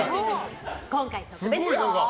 今回、特別よ！